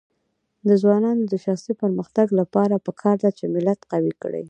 د ځوانانو د شخصي پرمختګ لپاره پکار ده چې ملت قوي کړي.